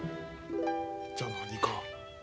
じゃ何か。